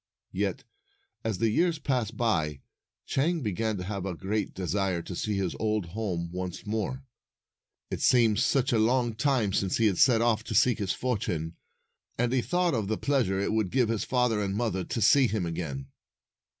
Yet, as the years passed by, Chang began to have a great desire to see his old home once more. It seemed such a long time since he had set off to seek his fortune, and he thought of the pleasure it would give his father and mother to see him again.